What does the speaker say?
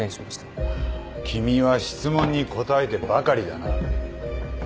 君は質問に答えてばかりだな。